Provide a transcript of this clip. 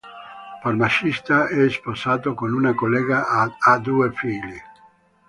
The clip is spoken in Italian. Farmacista, è sposato con una collega ed ha due figli.